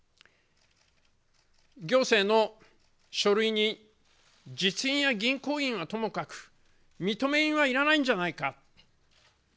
行政の書類に実印や銀行印はともかく認印はいらないんじゃないか。